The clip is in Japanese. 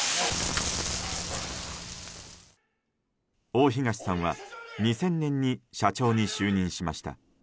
大東さんは、２０００年に社長に就任しました。